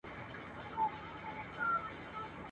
د ګودر د دیدن پل یم، پر پېزوان غزل لیکمه.